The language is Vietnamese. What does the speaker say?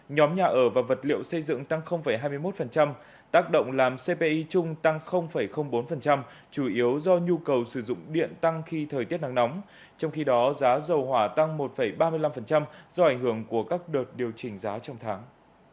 nhóm nhà ở và vật liệu xây dựng tăng hai mươi một tác động làm cpi chung tăng bốn chủ yếu do nhu cầu sử dụng điện tăng khi thời tiết nắng nóng trong khi đó giá dầu hỏa tăng một ba mươi năm do ảnh hưởng của các đợt điều chỉnh giá trong tháng